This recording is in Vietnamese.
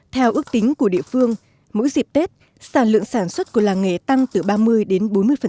theo ước tính của địa phương mỗi dịp tết sản lượng sản xuất của làng nghề tăng từ ba mươi đến bốn mươi